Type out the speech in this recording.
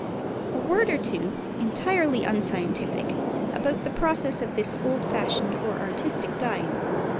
A word or two (entirely unscientific) about the processes of this old fashioned or artistic dyeing.